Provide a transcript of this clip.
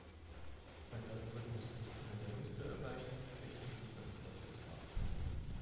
Wenn der Algorithmus das Ende der Liste erreicht, bricht die Suche erfolglos ab.